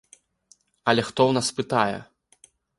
Але хто ў нас пытае?